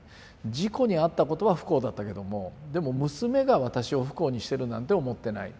事故に遭ったことは不幸だったけどもでも娘が私を不幸にしてるなんて思ってない。